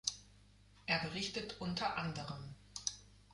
Er berichtet unter anderem.